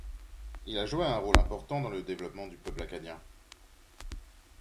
Il a joué un rôle important dans le développement du peuple acadien.